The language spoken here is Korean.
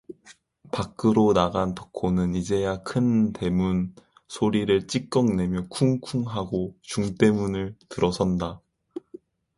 밖으로 나간 덕호는 이제야 큰대문 소리를 찌꺽 내며 쿵쿵 하고 중대문을 들어선다.